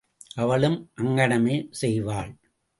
அவளும் அங்ஙனமே செய்வாள்.